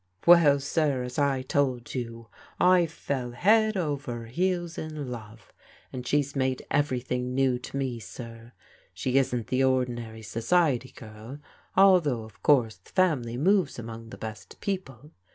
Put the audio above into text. " Well, sir, as I told you, I fell head over heels in love, and she's made everything new to me, sir. She isn't the ordinary society girl, although of course the family n20ves among the best peop\e.